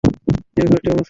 এই ঘরটি অমুসলিমের।